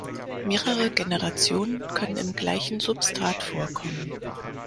Mehrere Generationen können im gleichen Substrat vorkommen.